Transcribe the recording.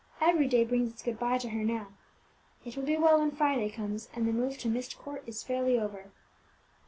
every day brings its good bye to her now. It will be well when Friday comes, and the move to Myst Court is fairly over."